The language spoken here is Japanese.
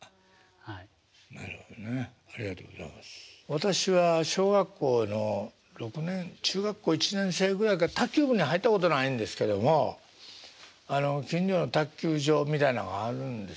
私は小学校の６年中学校１年生ぐらいから卓球部に入ったことないんですけども近所の卓球場みたいなのがあるんですあったんですね。